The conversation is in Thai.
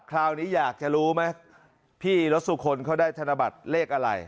คราวนี้อยากจะรู้ไหมพี่รสสุคนเขาได้ธนบัตรเลขอะไร